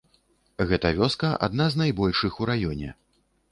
Гэта вёска адна з найбольшых у раёне.